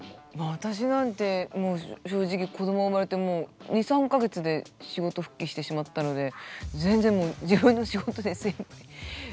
私なんてもう正直子どもが生まれてもう２３か月で仕事復帰してしまったので全然自分の仕事で精いっぱいでした。